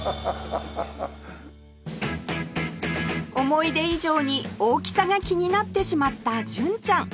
思い出以上に大きさが気になってしまった純ちゃん